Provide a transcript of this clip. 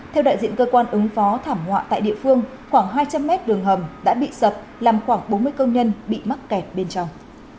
theo đại diện cơ quan ứng phó thảm họa tại địa phương khoảng hai trăm linh mét đường hầm đã bị sập làm khoảng bốn mươi công nhân bị mắc kẹt bên trong